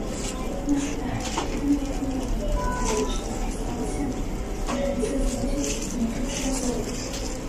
Нагадаем, будынак былога наркалагічнага дыспансера збіраліся зносіць некалькі разоў.